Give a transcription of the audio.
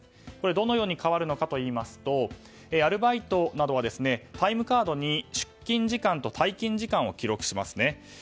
どのように変わるのかといいますとアルバイトなどはタイムカードに出勤時間と退勤時間を記録しますね。